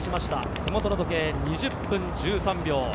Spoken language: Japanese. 手元の時計、２０分１３秒。